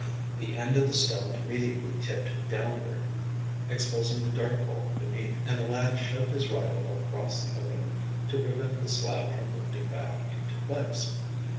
The end of the stone immediately tipped downward, exposing the dark hole beneath, and the lad shoved his rifle across the opening to prevent the slab from lifting back into place.